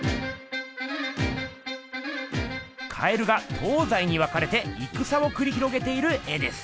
蛙が東西に分かれていくさをくり広げている絵です。